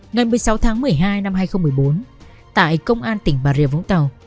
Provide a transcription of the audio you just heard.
ngày một mươi sáu tháng một mươi hai năm hai nghìn một mươi bốn tại công an tỉnh bà rịa vũng tàu